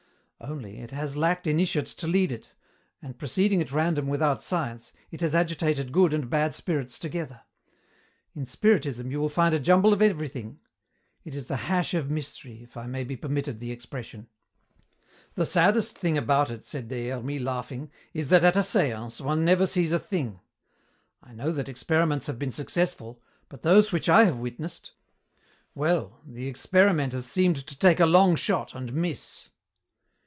Only, it has lacked initiates to lead it, and, proceeding at random without science, it has agitated good and bad spirits together. In Spiritism you will find a jumble of everything. It is the hash of mystery, if I may be permitted the expression." "The saddest thing about it," said Des Hermies, laughing, "is that at a séance one never sees a thing! I know that experiments have been successful, but those which I have witnessed well, the experimenters seemed to take a long shot and miss."